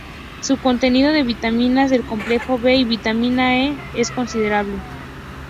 Su contenido de vitaminas del complejo B y vitamina E es considerable.